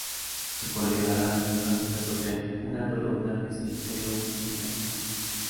Su colega, Ralph, avisa sobre una columna creciente de humo en la distancia.